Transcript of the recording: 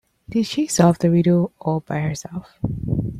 Did she solve the riddle all by herself?